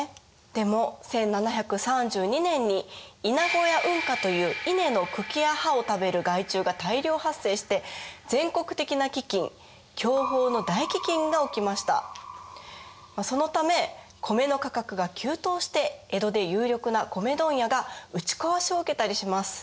でも１７３２年にイナゴやウンカという稲の茎や葉を食べる害虫が大量発生して全国的な飢饉そのため米の価格が急騰して江戸で有力な米問屋が打ちこわしを受けたりします。